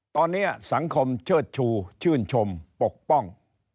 ตอนนี้สังคมเชิดชูชื่นชมปกป้อง